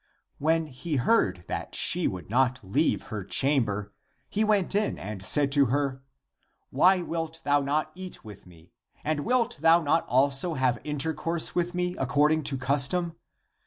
When he heard that she would not leave her chamber, he went in and said to her, " Why wilt thou not eat with me ? And wilt thou not also have intercourse with me according to custom?